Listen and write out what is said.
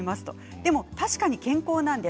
でも確かに健康なんです。